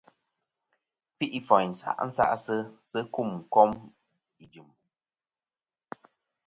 Kfi'ìfòyn sa' nsa'sisɨ̀ a sɨ kum kom ijɨ̀m.